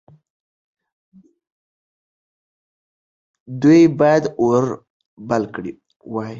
دوی باید اور بل کړی وای.